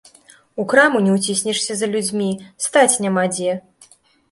У краму не ўціснешся за людзьмі, стаць няма дзе.